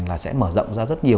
là sẽ mở rộng ra rất là nhiều